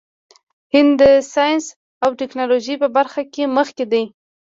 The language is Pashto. هند د ساینس او ټیکنالوژۍ په برخه کې مخکې دی.